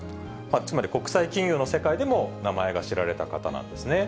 つまり国際金融の世界でも名前が知られた方なんですね。